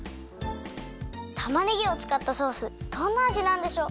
たまねぎをつかったソースどんなあじなんでしょう？